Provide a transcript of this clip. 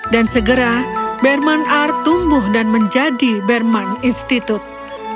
dan segera berman art tumbuh dan menjadi berman institute